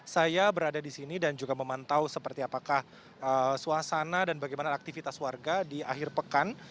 saya berada di sini dan juga memantau seperti apakah suasana dan bagaimana aktivitas warga di akhir pekan